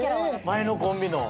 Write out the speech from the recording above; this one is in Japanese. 前のコンビの。